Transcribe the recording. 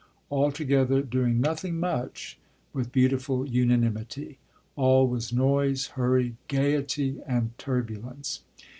Altogether doing nothing much with beautiful unanimity. All was noise, hurry, gaiety, and turbulence.